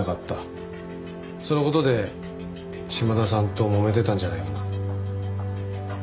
その事で島田さんともめてたんじゃないの？